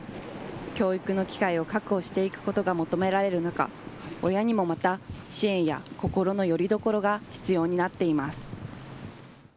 教育の機会を確保していくことが求められる中、親にもまた、支援や心のよりどころが必要になっています。